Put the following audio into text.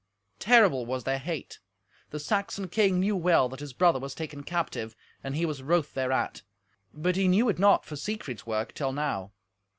Terrible was their hate. The Saxon king knew well that his brother was taken captive, and he was wroth thereat; but he knew it not for Siegfried's work till now.